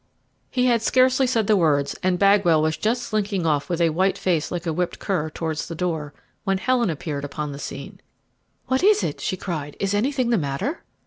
He had scarcely said the words, and Bagwell was just slinking off with a white face like a whipped cur towards the door, when Helen appeared upon the scene. "What is it?" she cried. "Is anything the matter?"